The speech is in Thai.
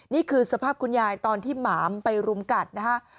นี่คือสภาพคุณยายตอนที่หมามไปรุมกัดนะฮะ